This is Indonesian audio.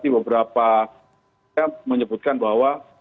beberapa menyebutkan bahwa